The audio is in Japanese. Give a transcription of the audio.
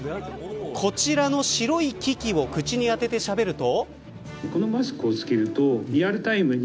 こちらの白い機器を口に当ててしゃべると。